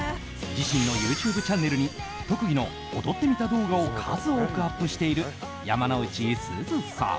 自身のＹｏｕＴｕｂｅチャンネルに特技の踊ってみた動画を数多くアップしている山之内すずさん。